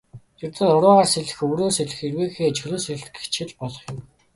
Ердөө нуруугаар сэлэх, өврөөр сэлэх, эрвээхэй, чөлөөт сэлэлт гэчихэд л болох юм.